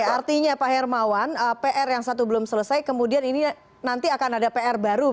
artinya pak hermawan pr yang satu belum selesai kemudian ini nanti akan ada pr baru